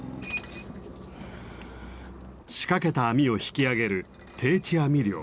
仕掛けた網を引きあげる定置網漁。